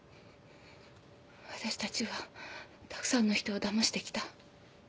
私たちはたくさんの人をだましてきた。